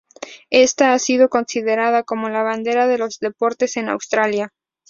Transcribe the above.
Esta ha sido considerada como la bandera de los "deportes en Australia".